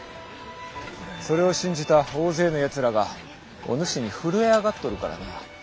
それを信じた大勢のやつらがお主に震え上がっとるからな。